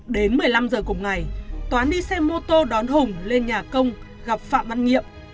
đến một mươi năm h cùng ngày toán đi xe mô tô đón hùng lên nhà công gặp phạm văn nhiệm